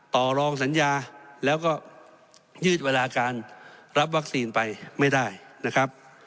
ต่อรองสัญญาแล้วก็ยืดเวลาการรับวัคซีนไปไม่ได้นะครับ